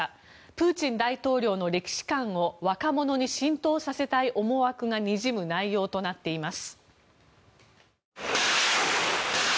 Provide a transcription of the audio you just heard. プーチン大統領の歴史観を若者に浸透させたい思惑がにじむ内容となっています。